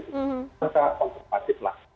kita konservatif lah